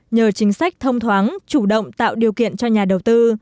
nhờ chính sách thông thoáng chủ động tạo điều kiện cho nhà đầu tư